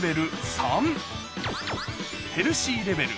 ３ヘルシーレベル